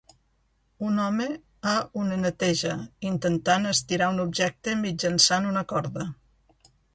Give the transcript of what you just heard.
Un home a una neteja intentant estirar un objecte mitjançant una corda.